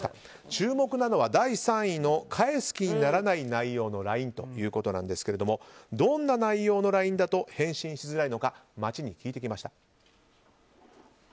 注目なのは第３位の返す気にならない内容のＬＩＮＥということですがどんな内容のＬＩＮＥだと返信しづらいのか街で聞いた！